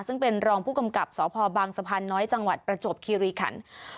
ซึ่งเป็นรองผู้กำกับสพบางสะพานน้อยจังหวัดประจวบคิริขัน